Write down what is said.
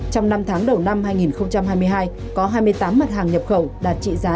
trong năm tháng đầu năm hai nghìn hai mươi hai có hai mươi tám mặt hàng nhập khẩu đạt trị giá